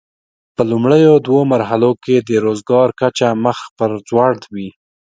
په لومړیو دوو مرحلو کې د روزګار کچه مخ پر ځوړ وي.